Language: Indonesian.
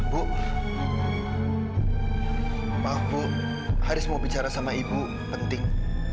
bu maaf bu haris mau bicara sama ibu penting